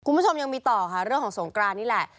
คุณผู้ชมยังมีต่อค่ะเรื่องของสงกรานนี่แหละ